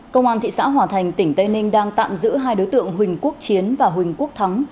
công an thị xã hòa thành tỉnh tây ninh đang tạm giữ hai đối tượng huỳnh quốc chiến và huỳnh quốc thắng